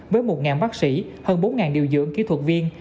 với một bác sĩ hơn bốn điều dưỡng kỹ thuật viên